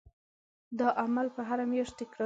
دا عمل به هره میاشت تکرارېدی.